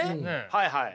はいはい。